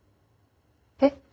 えっ。